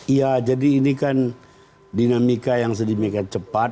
iya jadi ini kan dinamika yang sedemikian cepat